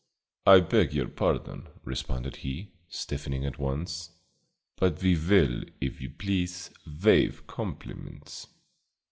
"I beg your pardon," responded he, stiffening at once, "but we will, if you please, waive compliments."